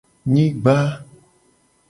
Nyigba.